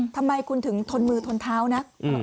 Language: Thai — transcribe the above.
ทำไมคุณถึงทนมือทนเท้านะ